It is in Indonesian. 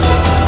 itu udah gila